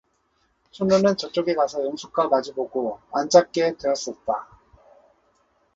춘우는 저쪽에 가서 영숙과 마주보고 앉았게 되었었다.